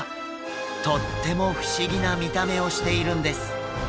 とっても不思議な見た目をしているんです。